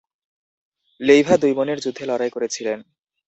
Leiva দুই বোনের যুদ্ধে লড়াই করেছিলেন।